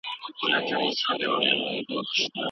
که ته لټون وکړې پوهه موندلی سې.